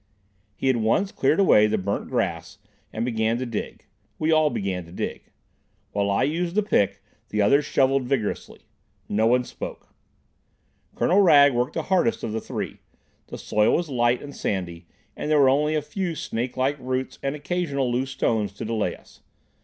He at once cleared away the burnt grass and began to dig; we all began to dig. While I used the pick, the others shovelled vigorously. No one spoke. Colonel Wragge worked the hardest of the three. The soil was light and sandy, and there were only a few snake like roots and occasional loose stones to delay us.